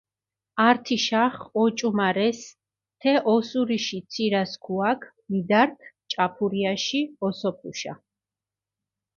ართიშახჷ ოჭუმარესჷ თე ოსურიში ცირასქუაქჷ მიდართჷ ჭაფურიაში ოსოფუშა.